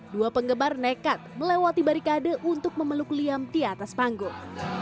dua penggemar nekat melewati barikade untuk memeluk liam di atas panggung